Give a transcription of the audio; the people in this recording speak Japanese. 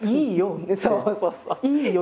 いいよ！